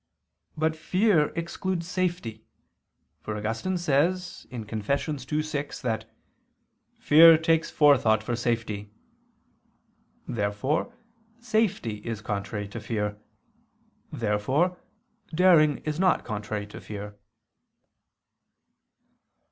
But fear excludes safety; for Augustine says (Confess. ii, 6) that "fear takes forethought for safety." Therefore safety is contrary to fear. Therefore daring is not contrary to fear.